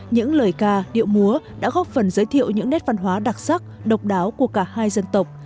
những lời ca điệu múa đã góp phần giới thiệu những nét văn hóa đặc sắc độc đáo của cả hai dân tộc